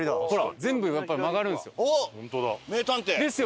全部やっぱり曲がるんですよ。